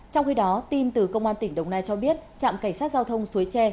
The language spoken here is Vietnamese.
trong khi đó tin từ công an tỉnh đồng nai cho biết trạm cảnh sát giao thông suối tre